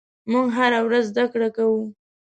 موږ هره ورځ زدهکړه کوو.